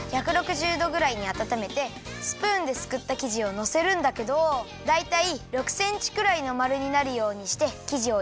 １６０どぐらいにあたためてスプーンですくったきじをのせるんだけどだいたい６センチくらいのまるになるようにしてきじをやくよ。